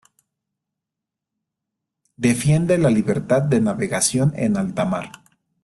Defiende la libertad de navegación en alta mar.